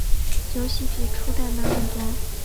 游戏比初代难很多。